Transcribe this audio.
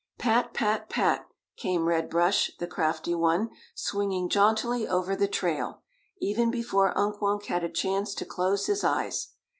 "Pat, pat, pat," came Red Brush the crafty one, swinging jauntily over the trail, even before Unk Wunk had a chance to close his eyes.